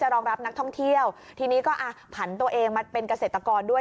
รองรับนักท่องเที่ยวทีนี้ก็อ่ะผันตัวเองมาเป็นเกษตรกรด้วย